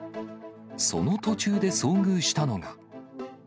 その途中で遭遇したのが。